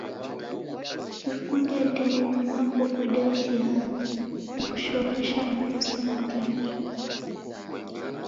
Kufunge ndighi mwanapo kuide mtihani. Nekushomesha na w'asi nandighi.